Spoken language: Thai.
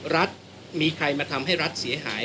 รัฐมีใครมาทำให้รัฐเสียหาย